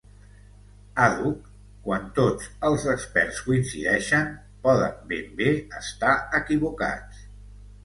Àdhuc quan tots els experts coincideixen, poden ben bé estar equivocats.